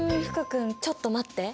君ちょっと待って。